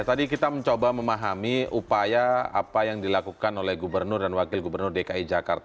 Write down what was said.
tadi kita mencoba memahami upaya apa yang dilakukan oleh gubernur dan wakil gubernur dki jakarta